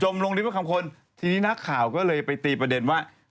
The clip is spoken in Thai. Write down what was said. ลงลิฟว่าคำคนทีนี้นักข่าวก็เลยไปตีประเด็นว่า